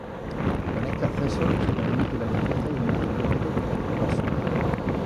Con este acceso se permite la limpieza y el mantenimiento del vaso.